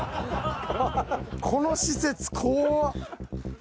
この施設こわっ！